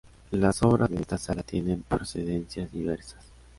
Las obras de esta sala tienen procedencias diversas.